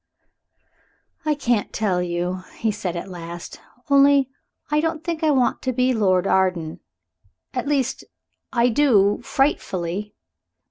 "I can't tell you," he said at last, "only I don't think I want to be Lord Arden. At least, I do, frightfully.